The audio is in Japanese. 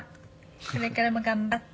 「これからも頑張って」